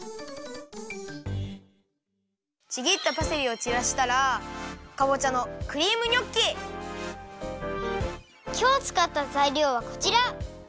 ちぎったパセリをちらしたらきょうつかったざいりょうはこちら！